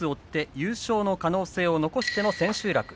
優勝の可能性を残しての千秋楽。